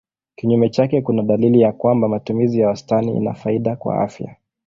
Kinyume chake kuna dalili ya kwamba matumizi ya wastani ina faida kwa afya.